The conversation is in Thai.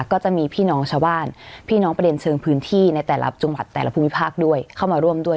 ก็จะมีพี่น้องชาวบ้านพี่น้องประเด็นเชิงพื้นที่ในแต่ละจังหวัดแต่ละภูมิภาคด้วยเข้ามาร่วมด้วย